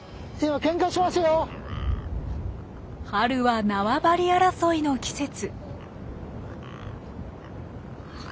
春は縄張り争いの季節。